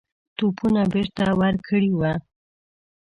توپونه بیرته ورکړي وه.